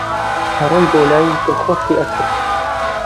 ئەڕۆیی بۆلای دڵخۆشی ئەکرد